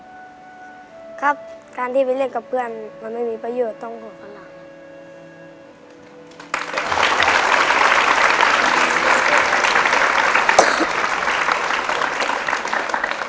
ครับการที่ไปเล่นกับเพื่อนมันไม่มีประโยชน์ต้องห่อฝรั่ง